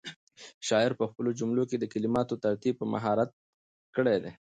شاعر په خپلو جملو کې د کلماتو ترتیب په مهارت کړی دی.